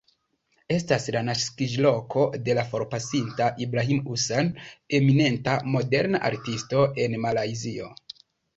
Estas la naskiĝloko de la forpasinta Ibrahim Hussein, eminenta moderna artisto en Malajzio.